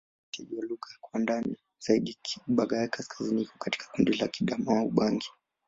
Kufuatana na uainishaji wa lugha kwa ndani zaidi, Kigbaya-Kaskazini iko katika kundi la Kiadamawa-Ubangi.